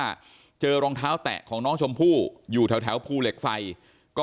ว่าเจอรองเท้าแตะของน้องชมพู่อยู่แถวภูเหล็กไฟก็